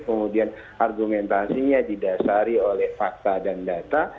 kemudian argumentasinya didasari oleh fakta dan data